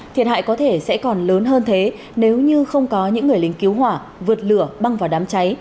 thiệt hại có thể sẽ còn lớn hơn thế nếu như không có những người lính cứu hỏa vượt lửa băng vào đám cháy